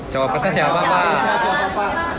cawapresnya siapa pak